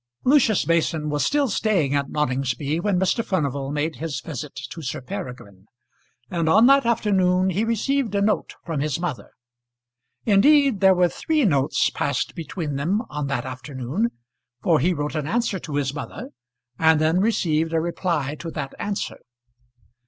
Lucius Mason was still staying at Noningsby when Mr. Furnival made his visit to Sir Peregrine, and on that afternoon he received a note from his mother. Indeed, there were three notes passed between them on that afternoon, for he wrote an answer to his mother, and then received a reply to that answer.